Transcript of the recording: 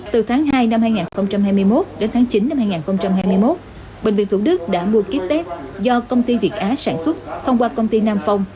từ tháng hai năm hai nghìn hai mươi một đến tháng chín năm hai nghìn hai mươi một bệnh viện thủ đức đã mua kit test do công ty việt á sản xuất thông qua công ty nam phong